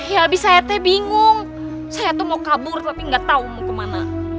ya abis saya teh bingung saya tuh mau kabur tapi gak tau mau kemana